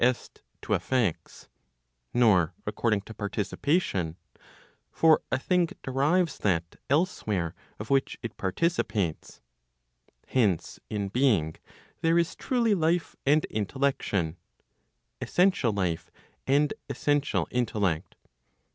e. to effects) nor according to participation (for a thing derives that elsewhere of which it participates,) —hence in being there is truly life and intellection, essential life, and essential intellect.